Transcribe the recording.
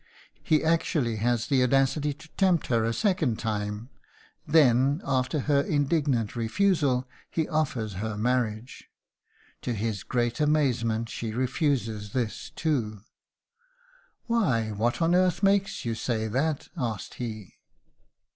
He actually has the audacity to tempt her a second time; then, after her indignant refusal, he offers her marriage. To his great amazement she refuses this too. "Why, what on earth makes you say that?" asked he....